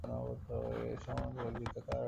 এমন সময় ললিতা তাহার ঘরে আসিল।